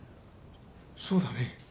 そうだね。